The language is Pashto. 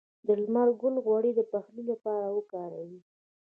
د لمر ګل غوړي د پخلي لپاره وکاروئ